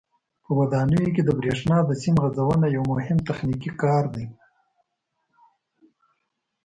په ودانیو کې د برېښنا د سیم غځونه یو مهم تخنیکي کار دی.